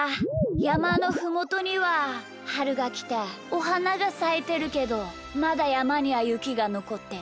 やまのふもとにははるがきておはながさいてるけどまだやまにはゆきがのこってる。